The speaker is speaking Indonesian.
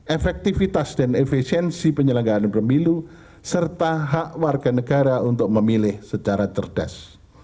efektivitas dan efisiensi penyelenggaraan pemilu serta hak warga negara untuk memilih secara cerdas